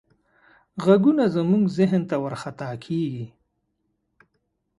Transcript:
غږونه زموږ ذهن ته ورخطا کېږي.